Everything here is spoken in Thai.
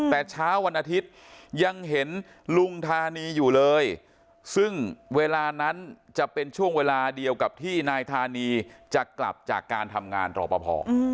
แต่เช้าวันอาทิตย์ยังเห็นลุงธานีอยู่เลยซึ่งเวลานั้นจะเป็นช่วงเวลาเดียวกับที่นายธานีจะกลับจากการทำงานรอปภ